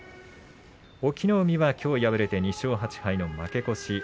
隠岐の海はきょう敗れて２勝８敗の負け越し